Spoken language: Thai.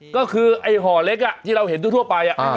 ก็คือไอ้ห่อเล็กที่เราเห็นทั่วไป